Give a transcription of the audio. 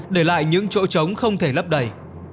để lại những chỗ trống không thể lấp đẩy